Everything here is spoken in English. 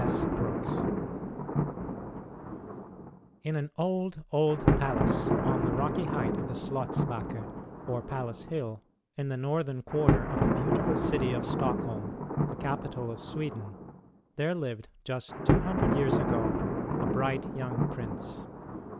S. Brooks In an old, old palace on the rocky height of the Slottsbacke, or Palace Hill, in the northern quarter of the beautiful city of Stockholm, the capital of Sweden, there lived, just two hundred years ago, a bright young prince.